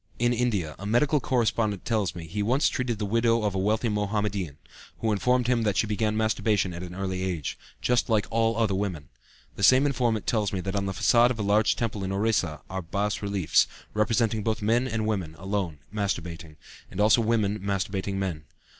In India, a medical correspondent tells me, he once treated the widow of a wealthy Mohammedan, who informed him that she began masturbation at an early age, "just like all other women." The same informant tells me that on the façade of a large temple in Orissa are bas reliefs, representing both men and women, alone, masturbating, and also women masturbating men.